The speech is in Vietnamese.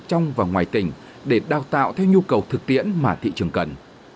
trong và ngoài tỉnh để đào tạo theo nhu cầu thực tiễn mà thị trường cần